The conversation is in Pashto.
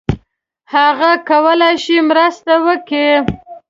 هغه کولای شي مرسته وکړي.